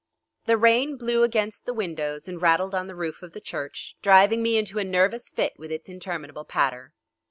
The rain blew against the windows and rattled on the roof of the church, driving me into a nervous fit with its interminable patter.